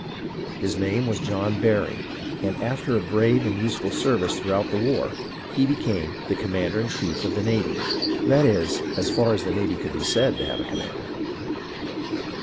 His name v^as John Barry, and after a brave and useful service throughout the war, he became the "commander in chief of the navy"; that is, as far as the navy could be said to have a commander.